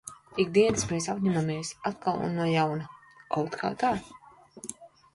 Ik dienas mēs apņemamies atkal un no jauna. Kaut kā tā.